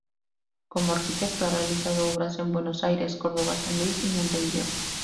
Como arquitecto ha realizado obras en Buenos Aires, Córdoba, San Luis y Montevideo.